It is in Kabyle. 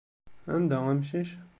Anda amcic?